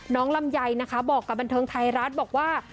น้องลำไยบอกกับบันเทิงไทยรัฐบอกว่า